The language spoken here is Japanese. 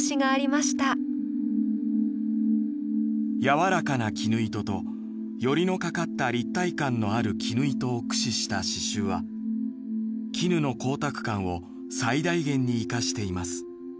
「やわらかな絹糸とよりのかかった立体感のある絹糸を駆使した刺しゅうは絹の光沢感を最大限に生かしています。